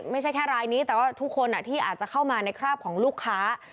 ไม่ใช่แค่รายนี้แต่ว่าทุกคนที่อาจจะเข้ามาในคราบของลูกค้า